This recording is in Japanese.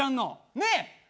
ねえ！